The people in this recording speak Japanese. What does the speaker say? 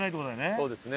そうですね。